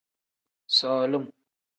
Solim.